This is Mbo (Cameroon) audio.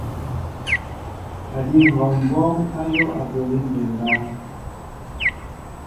Adi hɔŋɓɔɔŋ ayōō aɓoli myaŋga.